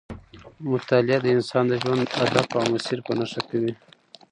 مطالعه د انسان د ژوند هدف او مسیر په نښه کوي.